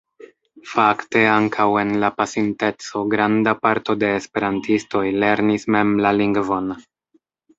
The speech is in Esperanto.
Fakte ankaŭ en la pasinteco granda parto de esperantistoj lernis mem la lingvon.